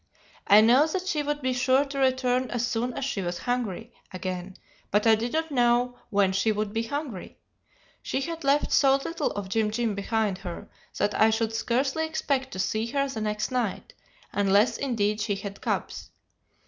I knew that she would be sure to return as soon as she was hungry again, but I did not know when she would be hungry. She had left so little of Jim Jim behind her that I should scarcely expect to see her the next night, unless indeed she had cubs.